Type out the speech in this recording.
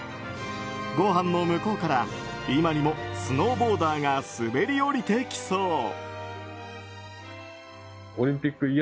ご飯の向こうから今にもスノーボーダーが滑り降りてきそう。